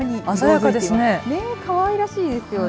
かわいらしいですよね。